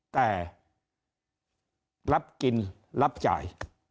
แต่รับกินรับจ่าย